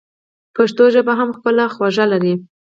پښتو ژبه هم خپله خوږه لري.